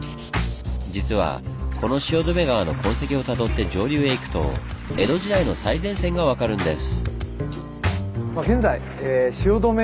実はこの汐留川の痕跡をたどって上流へ行くと江戸時代の最前線が分かるんです。